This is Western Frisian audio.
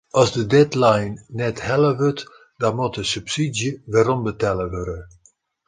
As de deadline net helle wurdt dan moat de subsydzje werombetelle wurde.